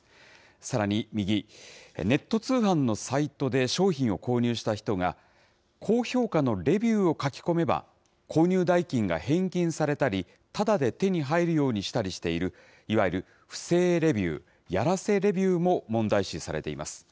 さらに右、ネット通販のサイトで商品を購入した人が、高評価のレビューを書き込めば、購入代金が返金されたり、ただで手に入るようにしたりしている、いわゆる不正レビュー、やらせレビューも問題視されています。